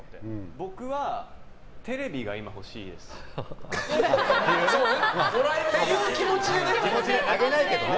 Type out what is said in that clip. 僕は、テレビが今欲しいです。っていう気持ちでね。